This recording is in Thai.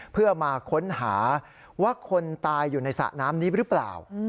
เพื่อมาค้นหาว่าคนตายอยู่ในสระน้ำนี้หรือเปล่า